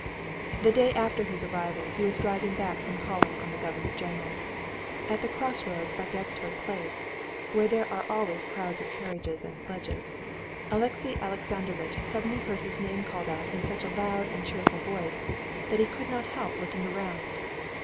The day after his arrival he was driving back from calling on the governor general. At the crossroads by Gazetoy Place, where there are always crowds of carriages and sledges, Alexey Alexandrovitch suddenly heard his name called out in such a loud and cheerful voice that he could not help looking round.